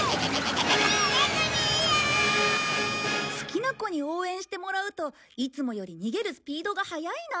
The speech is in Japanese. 好きな子に応援してもらうといつもより逃げるスピードが速いな。